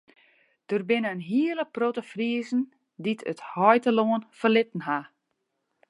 Der binne in hiele protte Friezen dy't it heitelân ferlitten ha.